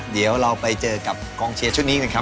เดี๋ยวเราไปเจอกับกองเชียร์ชุดนี้นะครับ